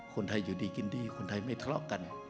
คนไทยอยู่ดีกินดีคนไทยไม่ทะเลาะกัน